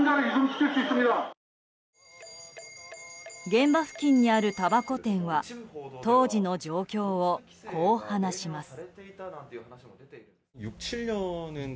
現場付近にあるたばこ店は当時の状況をこう話します。